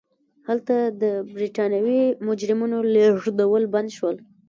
هلته د برېټانوي مجرمینو لېږدېدل بند شول.